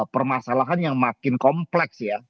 permasalahan yang makin kompleks ya